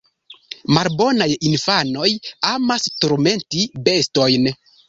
Malbonaj infanoj amas turmenti bestojn.